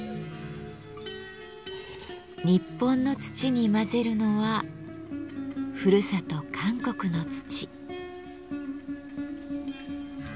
日本の土に混ぜるのはふるさと韓国の土。